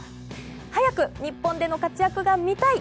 早く日本での活躍が見たい！